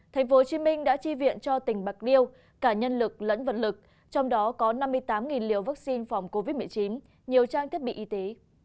tp hcm đã chi viện cho tỉnh bạc liêu cả nhân lực lẫn vật lực trong đó có năm mươi tám liều vaccine phòng covid một mươi chín nhiều trang thiết bị y tế